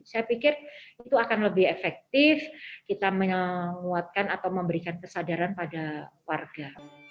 saya pikir itu akan lebih efektif kita menguatkan atau memberikan kesadaran pada warga